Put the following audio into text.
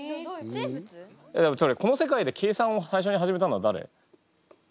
この世界で計算を最初に始めたのは誰？